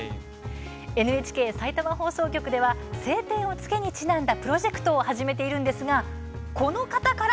ＮＨＫさいたま放送局では「青天を衝け」にちなんだプロジェクトを始めているんですが、この方から